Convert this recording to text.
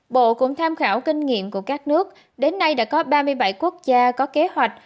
bộ cũng tham khảo kinh nghiệm của các nước đến nay đã có ba mươi bảy quốc gia có kế hoạch